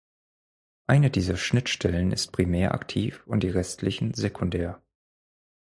Eine dieser Schnittstellen ist primär aktiv und die restlichen sekundär.